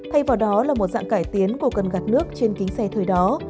thay vào đó là một dạng cải tiến của cần gạt nước trên kính xe thời đó